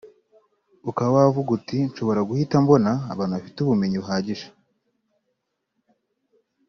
ukaba wavuga uti nshobora guhita mbona abantu bafite ubumenyi buhagije